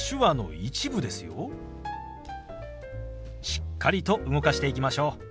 しっかりと動かしていきましょう。